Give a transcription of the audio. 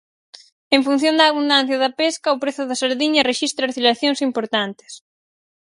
En función da abundancia da pesca, o prezo da sardiña rexistra oscilacións importantes.